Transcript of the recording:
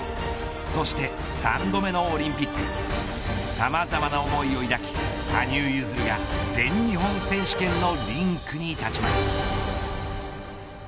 そして３度目のオリンピックさまざまな思いを抱き羽生結弦が全日本選手権のリンクに立ちます。